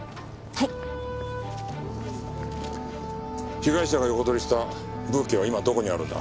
被害者が横取りしたブーケは今どこにあるんだ？